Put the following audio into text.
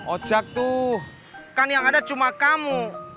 ocak tuh kan yang ada cuma kamu